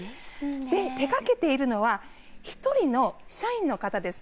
手がけているのは１人の社員の方です